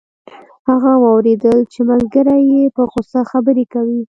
هغه واوریدل چې ملګری یې په غوسه خبرې کوي